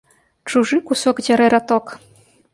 Чужы кусок дзярэ раток